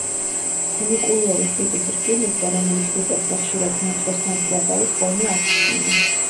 ფუნიკულიორის ტიპის რკინიგზა, რომელიც რუკებზე ხშირად მეტროს ნაწილად არის ხოლმე აღნიშნული.